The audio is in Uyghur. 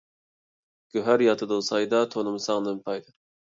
گۆھەر ياتىدۇ سايدا، تۇنۇمىساڭ نىمە پايدا.